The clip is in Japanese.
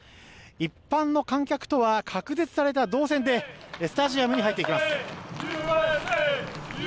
一般の観客とは隔絶された動線でスタジアムに入っていきます。